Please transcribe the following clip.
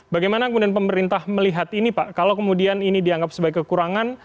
bagaimana kemudian pemerintah melihat ini pak kalau kemudian ini dianggap sebagai kekurangan